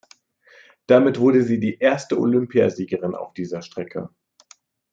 Damit wurde sie die erste Olympiasiegerin auf dieser Strecke.